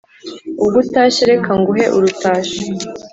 Ubwo utashye reka nguhe urutashyo